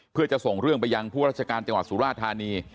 เพื่อจะส่งเรื่องไปยังผู้ราชการจังหวัดสุราธานี